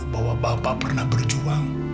bahwa bapak pernah berjuang